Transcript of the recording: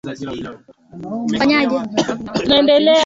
yao makubwa yenye watu wengi zaidi Majiji mengi katika nchi